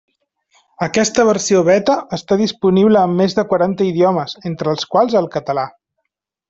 Aquesta versió beta està disponible en més de quaranta idiomes, entre els quals el català.